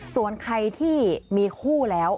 ส่วนใครที่มีคู่แล้ว